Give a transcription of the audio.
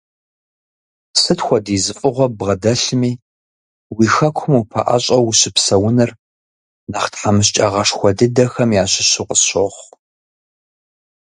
Сыт хуэдиз фӀыгъуэ ббгъэдэлъми, уи Хэкум упэӀэщӀэу ущыпсэуныр нэхъ тхьэмыщкӀагъэшхуэ дыдэхэм ящыщу къысщохъу.